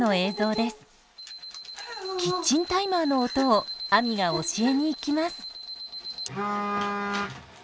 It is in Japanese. キッチンタイマーの音をあみが教えに行きます。